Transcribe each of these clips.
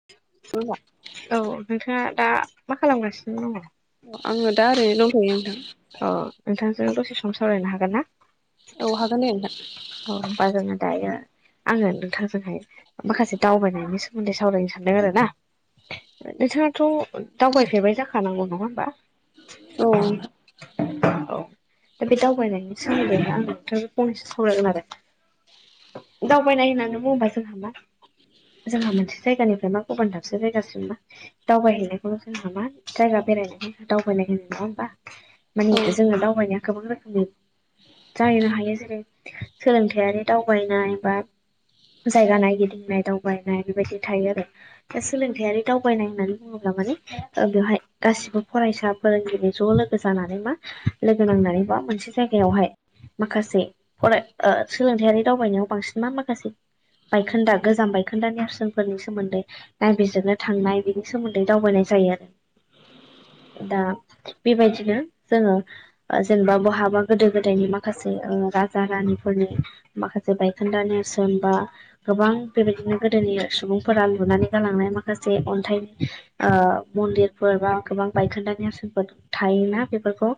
द उ औ नोंथाङा दा मा खालामगासिनो दङ? आङो दा ओरैनो दंथ'यो नोंथां। अ नोंथांजों दसे सम सावरायनो हागोन ना? औ हागोन दे नोंथां अ होमबा जोङो दायो आङो नोंथांजोंहाय माखासे दावबायनायनि सोमोन्दै सावरायनो सानदों आरो ना। ओ नोंथाङनाथ' दावबायफेरबाय जाखानांगौ नङा होमबा? औ औ दा बे दावबायनायनि सोमोन्दै आं नोंथांजो फंनैसो सावरायगोन आरो दावबायनाय होननानै बुङोबा जोंहा मा जोंहा मोनसे जायगानिफ्राय मा गुबुन दाबसे जायगासिम मा दावबायहैनायखौनो जोंहा मा जायगा बेरायनायनि दावबायनाय होनो नङा होमबा? माने नोंथां जोङो दावबायनाया गोबां रोखोमनि जाहैनो हायो जेरै सोलोंथायारि दावबायनाय बा जायगा नायगिदिंनाय दावबायनाय बेबायदि थायो आरो। दा सोलोंथायारि दावबायनाय होननानै बुङोब्ला माने ओ बेवहाय गासिबो फरायसा फोरोंगिरि ज' लोगो जानानै बा लोगो नांनानैबा मोनसे जायगायावहाय माखासे फराय ओ सोलोंथायारि दावबायनायाव बांसिन मा माखासे बायखोन्दा गोजाम बायखोन्दानि नेरसोनफोरनि सोमोन्दै नायबिजिरनो थांनाय बिनि सोमोन्दै दावबायनाय जायो आरो दा बेबायदिनो जोङो जेनेबा बहाबा गोदो गोदायनि माखासे ओ जागानिफोरनि माखासे बायखोन्दा नेरसोन बा गोबां बेबायदिनो गोदोनि सुबुंफोरा लुनानै गालांनाय माखासे अन्थाइनि ओ मन्दिरफोर बा गोबां बायखोन्दानि आसोनफोर थायोना बेफोरखौ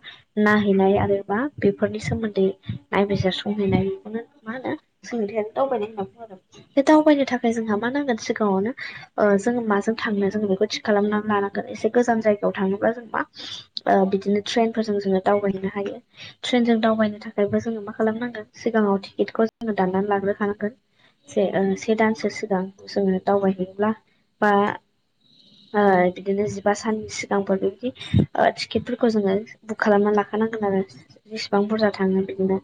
नायहैनाय आरोबा बेफोरनि सोमोन्दै नायबिजिर संहैनाय बेखौनो मा होनो सोलोंथाइानो दावबायनाय होनना बुङो। आरो बे दावबायनो थाखाय जोंहा मा नांगोन सिगाङावनो ओ जोङो माजों थांनो जोङो बेखौ थि खालामनानै लानांगोन एसे गोजान जायगायाव थाङोब्ला जों मा ओ बिदिनो ट्रेन फोरजों जोङो दावबायनो हायो ट्रेनजों दावबायनो थाखायबो ज जोङो मा खालामनांगोन सिगाङाव टिकेटखौ जोङो दाननानै लाग्रोखानांगोन से ओ से दानसो सिगां जोङो दावबायहैयोब्ला बा ओ बिदिनो जिबा साननि सिगांफोर बेदि ओ टिकेटफोरखौ जोङो बुक खालामनानै लाखानांगोन आरो जसिबां बुरजा थाङो बिदिनो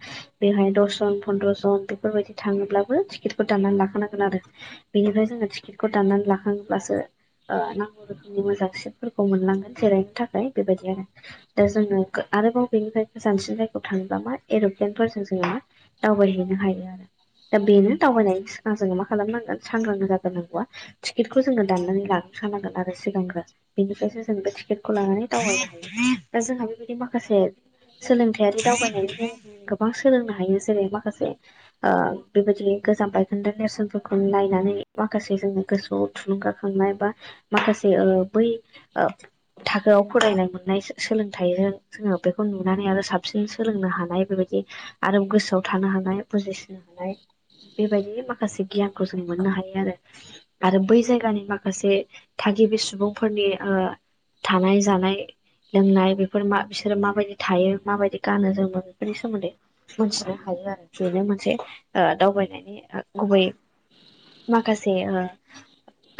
बेहाय दसजन फन्द्र जन बेफोरबायदि थाङोब्लाबो टिकेटफोर दाननानै लाखानांगोन आरो बेनिफ्राय जोङो टिकेटखौ दाननानै लाखांब्लासो ओ नांगौ रोखोमनि मोजांसिनफोरखौ मोननांगोन जिरायनो थाखाय बेबायदि आरो। दा जोङो आरोबाव बेनिफ्रायजानसिन जायगायाव थाङोब्ला मा एर' ल्फेन फोरजों जोङो दावबायहैनो हायो आरो। दा बेनो दावबायनायनि सिगां जोङो मा खालामनांगोन सांग्रां जाज्रोनांगौआ टिकेटखौ जोङो दाननानै लाखानांगोन आरो सिगांग्रो बेनिफ्रायसो जों बे टिकेटखौ लानानै दावबायायो दा जोंहा बेबायदि माखासे सोलोंथायारि दावबायनायनिफ्राय गोबां सोलोंनो हायो जेरै माखासे ओ बेबायदि गोजाम बायखोनदों नेरसोनफोरखौ नायनानै माखासे जोङो गोसोआव थुलुंगाखांनाय बा माखासे ओ बै ओ थाखोआव फरायनाय मोनो नाय सोलोंथाइजों जोङो बेखौ नुनानै आरो साबसिन सोलोंनो हानाय बेबायदि आरो गोसोआव थानो हानाय बुजिसनो हानाय बेबायदि माखासे गियानखौ जों मोननो हायो आरो आरो बै जायगानि माखासे थागिबि सुबुंफोरनि ओ थानाय जानाय लोंनाय बेफोर मा बिसोरो माबायदि थायो माबायदि गानो जोम मोनो बेफोरनि‌ सोमोन्दै मोनथिनो हायो आरो बेनो मोनसे दावबायनायनि गुबै माखासे ओ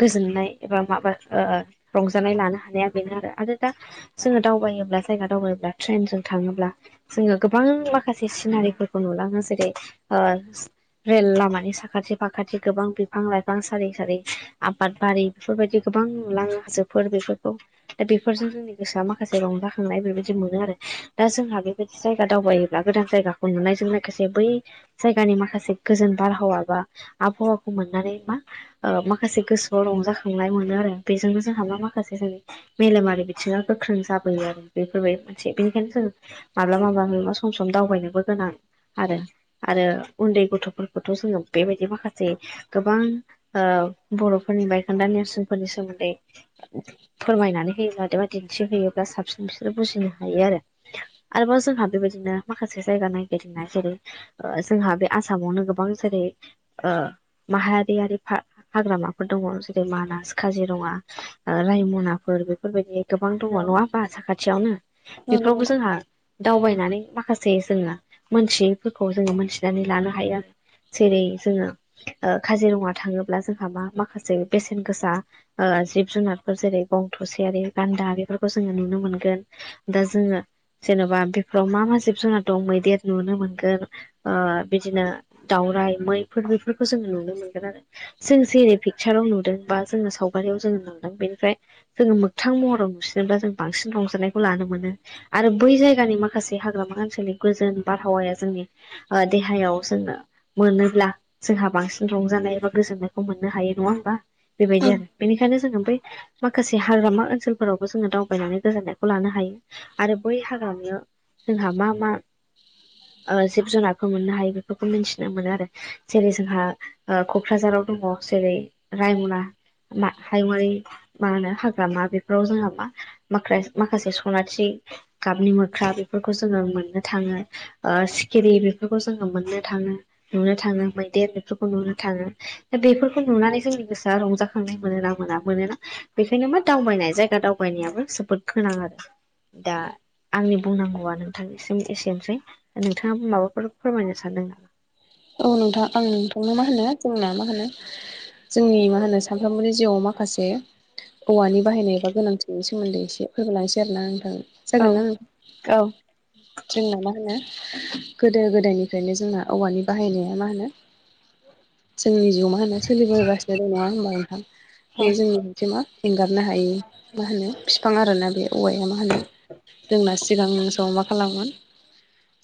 गोजोननाय एबा माबा ओ रंजानाय लानो हानाया बेनो आरो आरो दा जोङो दावबायोब्ला जायगा दावबायोब्ला ट्रेनजों थाङोब्ला जोङो गोबां माखासे सिनारिफोरखौ नुलाङो जेरै रेल लामानि साखाथि फाखाथि गोबां बिफां लाइफां सारि सारि आबाद बारि बेफोरबायदि गोबां नुलाङो हाजोफोर बेफोरखौ दा बेफोरजों जोंनि गोसोआ माखासे टबफं पस [unintelligible] रंजाखांनाय बेबायदि मोनो आरो दा जोंहा बेबायदि जायगा दावबायोब्ला गोदान जायगाखौ नुनायजों लोगोसे बै जायगानि माखासे गोजोन बारहावा बा आबहावाखौ मोननानै मा ओ माखासे गोसोआव रंजाखांनाय मोनो आरो बेजोंनो जोंहा मा माखासे जों मेलेमारि बिथिङा गोख्रों जाबोयो आरो बेफोरबायदि मोनसे बेनिखायनो जों माब्ला माबा नैबा सम सम दावबायनोबो गोनां आरो आरो उन्दै गथ'फोरखौथ' जोङो बेबायदि माखासे गोबां ओ बर'फोरनि ब खान्दा नेरसोनफोरनि सोमोन्दै फोरमायनानै होयोब्ला दिन्थिहैयोब्ला साबसिन बिसोरो बुजिनो हायो आरो आरोबाव जोंहा बेबायदिनो माखासे जायगा नायागदिनाय जेरै- जोंहा बे आसामावनो गोबां जेरै ओ माहारियारि हाग्रामाफोर दङ' जेरै मानास काजिरंङा ओ रायमनाफोर बेफोरबायदि गोबां दङ' नंङा होमबा साखाथियावनो बेफोरावबो जोंहा दावबायनानै माखासे जोंङो मोनथियैफोरखौ जोंङो मोनथिनानै लानो हायो। जेरै जोंङो काजिरङा थांङोब्ला जोंहा मा माखासे बेसेन गोसा ओ जिब जुनारफोर जेरै गं थसेयारि गान्दा बेफोरखौ जोंङो नुनो मोनगोन दा जोंङो जेन'बा बेफोराव मा मा जिब जुनार दं मैदेर नुनो मोनगोन ओ बिदिनो दउराइ मैफोर बेफोरखौ जोंङो नुनो मोनगोन आरो जों जेरै पिकचाराव नुदों बा जोंङो सावगारियाव जोंङो नुदों बेनिफ्राय जोंङो मोगथां महराव नुसिनोब्ला जों बांसिन रंजानायखौ लानो मोनो आरो बै जायगानि माखासे हाग्रामा ओनसोलनि गोजोन बारहावाया जोंनि देहायाव जोंनो मोनोब्ला जोंहा बांसिन रंजानाय एबा गोजोननायखौ मोननो हायो नंङा होमबा औ बेबायदि बेनिखायनो जोंङो बै माखासे हाग्रामा ओनसोलफोरावबो जोंङो दावबायनानै गोजोननायखौ लानो हायो। आरो बै हाग्रामायाव जोंहा मा मा ओ जिब जुनारखौ मोननो हायो बेफोरखौ मिन्थिनो मोनो आरो जेरै जोंहा ओ क'क्राझाराव दंङ जेरै रायमना हायुंङारि मा होनो हाग्रामा बेफोराव जों मा माखासे सनाथि गाबनि मोख्रा बेफोरखौ जोंङो मोननो थांङो सिखिरि बेफोरखौ जोंङो मोननो थांङो नुनो थांङो मैदेर बेफोरखौ नुनो थांङो दा बेफोरखौ नुनानै जोंनि गोसोआ रंजा खांनाय मोनोना मोना मोनोना बेखायनो मा दावबायनाय जायगा दावबायनायाबो जोबोद गोनां आरो दा आंनि बुंनांगौआ नोंथांसिम एसेनोसै नोंथांङा माबाफोर फोरमायनो सानदों औ नोंथां औ नोंथां मा होनो जोंना मा होनो जोंनि मा होनो सानफ्रोमबोनि जिउआव माखासे औवानि बाहायनाय एबा गोनांथिनि सोमोन्दै एसे फोबावलायसै आरो ना नोंथां औ जागोन ना नों औ जोंना मा होनो गोदो गोदायनिफ्रायनो जोंना औवानि बाहायनाया मा होनो जोंनि जिउआव मा होनो सोलिबोगासिनो दङ' नंङा होमबा नोंथां औ बे जोंनि बि मा एंगारनो हायि मा होनो बिफां आरोना बे औवाया मा होनो जोंना सिगां नों सम मा खालामो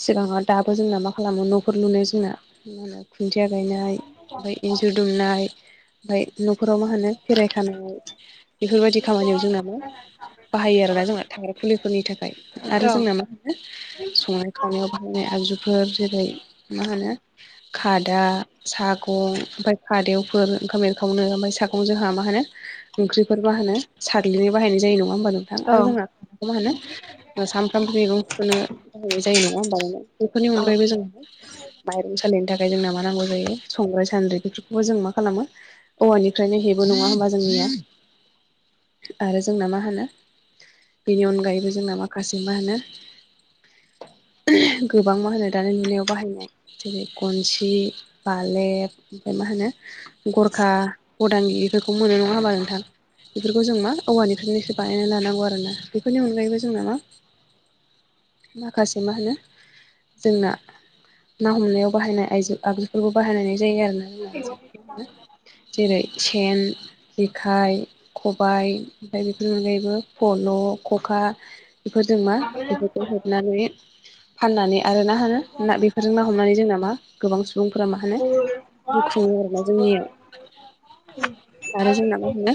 सिगाङाव दाबो जोंना मा खालामो न'फोर लुनाय जोंना मा होनो खुन्थिया गायनाय ओमफाय इन्जुर दुमनाय ओमफाय न'खराव मा होनो खेरायखानाय बेफोरबायदि खामानियाव जोंना मा बाहायो आरोना जोंना थाग्रा फुलिफोरनि थाखाय आरो जोंना मा संनाय खावनायाव बाहायनाय आगजुफोर जेरै मा होनो [inaudible] खादा सागं ओमफाय खादेवफोर ओंखाम एरखावनो ओमफाय सागं जोंहा मा होनो ओंख्रिफोर मा होनो साग्लिनो बाहायनाय जायो नंङा होमबा नोंथां औ आरो जोंहा मा होनो सानफ्रामबो मैगंखोनो बाहायनाय जायो नंङा होमबा बेफोरनि औ अनगायैबो जोंङो माइरं सालिनो थाखाय जोंना मा नांगौ जायो संग्राय सान्द्रि बेफोरखौबो जों मा खालामो औवानिफ्रायनो हेबो नङा होमबा जोंनिया आरो जोंना मा होनो बेनि अनगायैबो जोंना माखासे मा होनो गोबां मा होनो दानि नुनायाव बाहायनाय जेरै गनसि बालेब ओमफ्राय मा होनो गरखा गदानि इफोरखौ मोनो नंङा होमबा नोंथां बेफोरखौ जों मा औवानिफ्रायनो एसे बानायना लानांगौ आरो ना बेफोरनि अनगायैबो जोंना मा माखासे मा होनो जोंना ना हमनायाव बाहायनाय आइजो आगजुफोरखौ बाहायनाय जायो आरो ना [unintelligible] जेरै सेन, जेखाइ, खबाय, ओमफ्राय बेफोर अनगायैबो फल', खखा, बेफोरजों मा बेफोरखौ हेबनानै फाननानै आरो ना होनो न बे नों ना हमनानै जोंना मा गोबां सुबुंफोरा मा होनो बुखुङो आरोना जोंनिया। आरो जोंना मा होनो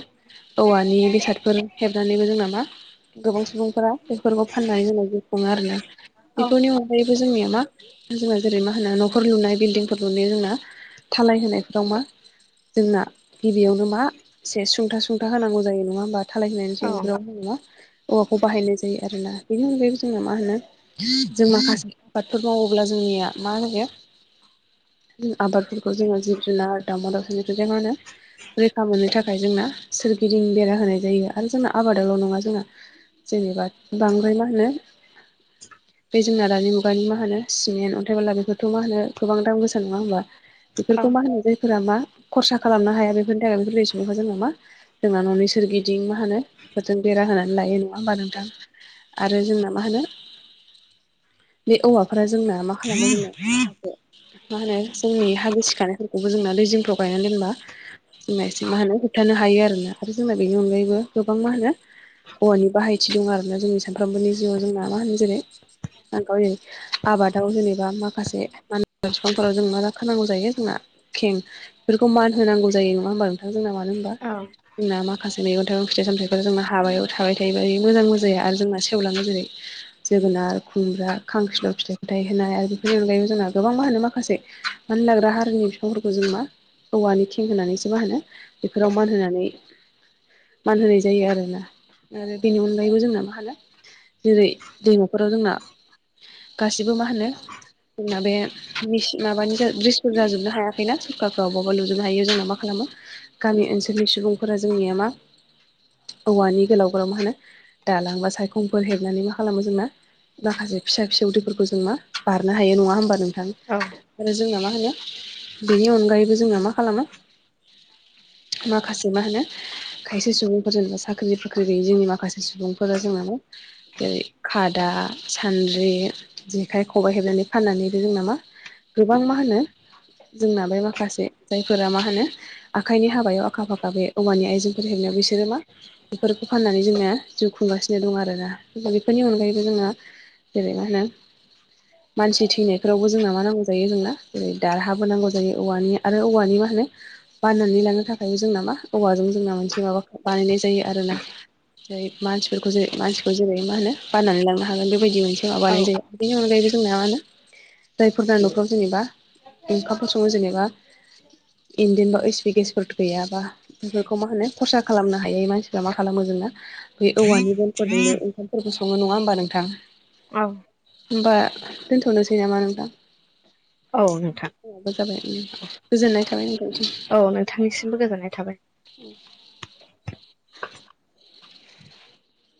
औवानि बेसादफोर हेबनानैबो जोंना मा? गोबां सुबुंफोरा बेफोरखौ फाननानै जोंनाय खुङो आरोना। औ बेफोरनि अनगायैबो जोंनिया मा? जोंहा जेरै मा होनो न'खर लुनाय बिल्डिंफोर लुयो जोंना थालाय होनायफोराव मा? जोंना गिबियावनो मा एसे सुंथा सुंथा होनांगौ जायो नङा होमबा थालाय होनायनि औ ज ओ नङा। औवाखौ बाहायनाय जायो आरोना बेनि अनगायैबो जोङो मा होनो जों माखासे आबादफोर मावो। ब्ला जोंनिया मा होनो? आबादफोरखौ जोङो जिब जुनार दा दानिखौ जो रैखा मोननो थाखाय जोंना सोरगिदिं बेरा होनाय जायो आरो जोंना आबादावल' नङा जोंना जेनेबा बांद्राय मा होनो? बे जोंना दानि मुगानि मा होनो? सिमेन्ट अन्थाइ बला बेफोरथ' मा होनो गोबां दाम गोसा नङा होमबा बेफोरखौ मा होनो जायफोरा मा खरसा खालामनो हाया बेफोरनि थाखाय बेफोरबायदि सख जों नामा? जोंना न'नि सोरगिदिं मा होनो बेफोरजों बेरा होनानै लायो नङा होमबा नोंथां? आरो जोंना मा होनो बे औवा फ्राय जोंना मा खालामो जोंना [unintelligible] मा होनो जोंनि हागो सिखानायफोरखौबो जोंना दै जिंफ्राव गायनानै दोनबा जोंना एसे मा होनो होबथानो हायो आरोना आरो जोंना बेनि अनगायैबो गोबां मा होनो? हौवानि बाहायथि दं आरोना जोंनि सानफ्रोमबोनि जिउआव जोंना मा होनो जेरै [unintelligible] आबादाव जेनेबा माखासे मानसि बिफांफोराव जों मा रोनांगौ जायो जोंना खें बेफोरखौ मान होनांगौ जायो नङा होमबा नोंथां? जोंना मानो होनबा जोंना माखासे मैगनथाइं फिथाइ सामथाइफोर जोंना हाबायाव थाबाय थायोब मोजां मोजाया आरो जोंना सेवलाङो जेरै जोगोनार, खुमब्रा, खांख्रिल' फिथाइ फथाय होनाय आरो बेफोरनि अनगायैबो जोंना गोबां मा होनो माखासे मा होन लाग्रा हारिनि बिफांफोरखौ जों मा औवानि थिं होनानैसो मा होनो बेफोराव मान होनानै मान होनाय जायो आरोना। आरो बेनि अनगायैबो जोंना माहोनो? जेरै दैम'फोराव जोंना गासिबो मा होनो जोंना बे मिसिन माबानि ब्रिजफोर जाजोबनो हायाखैना सोरखारफ्राव अबावबा लुजोबनो हायो जोंना मा खालामो? गामि ओनसोलनि सुबुंफोरा जोंनिया मा औवानि गोलाव गोलाव मा होनो दालांबा सायखंफोर हेबनानै मा खालामो जोंना? माखासे फिसा फिसा उदैफोरखौ जों मा बारनो हायो नङा होमबा नोंथां? औ आरो जोंना मा होनो बेनि अनगायैबो जोंना मा खालामो? माखासे मा होनो? खायसे सुबुंफोर जेनेबा साख्रि बाख्रि गैयै जोंनि माखासे सुबुंफोरा जेनेबा जेरै खादा, सानद्रि जेखाय, खबाइ हेबनानै फाननानैबो जोंनाामा गोबां मा होनो? जोंना बे माखासे जायफोरा मा होनो? आखाइनि हाबायाव आखा फाखा बे अमानि आइजेंफोर हेबनायाव बिसोरो मा? बेफोरखौ फाननानै जोंङो जिउ खुंगासिनो दं आरोना दा बेफोरनि अनगायैबो जोङो जेरै मा होनो? मानसि थैनायफोरावबो जोंना मा नांगौ जायो जोंना जेरै दारहाबो नांगौ जायो औवानि आरो औवानि मा होनो? बाननानै लानो थाखायबो जोंना मा औवाजों जोंना मोनसे माबाखौ बानायनाय जायो। आरो ना जेरै मानसिफोरखौ जै मानसिखौ जेरै मा होनो बनानै लांनो हागोन बेबायदि मोन जोंहा औ बानाय जायो बेनि अनगायैबो जोंहा मा होनो? जायफोर ना न'खराव जेनेबा ओंखामफोर सङो जेनेबा इन्दिनबा ओइस पि गेसफोर गैयाबा बेफोरखौ मा होनो खरसा खालामनो हायै मानसिफ्रा मा खालामो जोंना बे औवानि गनफोरजोंबो ओंखाम सोरबो सङो नङा होमबा नोंथां? औ। होमबा दोनथ'नोसै नामा नोंथां? औ नोंथां जाबाय गोजोननाय थाबाय नोंथांनिसिम बिथांनिसिमबो गोजोननाय थाबाय। [inaudible]